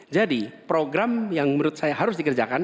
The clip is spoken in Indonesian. jadi program yang menurut saya harus dikerjakan